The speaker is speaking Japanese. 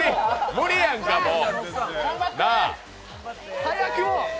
無理やんかもう。